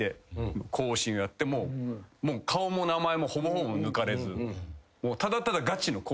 顔も名前もほぼほぼ抜かれず。